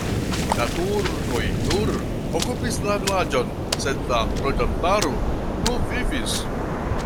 La turkoj nur okupis la vilaĝon, sed la loĝantaro pluvivis.